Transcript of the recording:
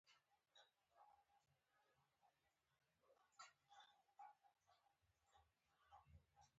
ممکن د یو کس یوه تخنیک ته غبرګون برید کوونکی چلند وي